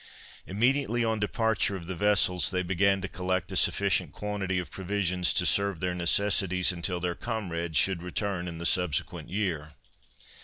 Immediately, on departure of the vessels, they began to collect a sufficient quantity of provisions to serve their necessities until their comrades should return in the subsequent year.